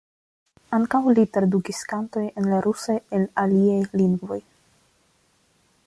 Ankaŭ li tradukis kantoj en la rusa el aliaj lingvoj.